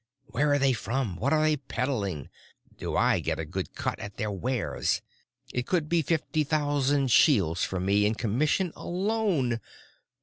Where are they from, what are they peddling? Do I get a good cut at their wares? It could be fifty thousand shields for me in commission alone.